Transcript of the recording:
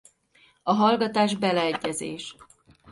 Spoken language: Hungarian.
A hallgatás beleegyezés.